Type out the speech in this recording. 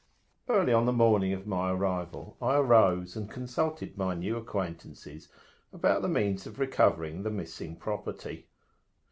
EARLY on the morning after my arrival, I arose, and consulted my new acquaintances about the means of recovering the missing property.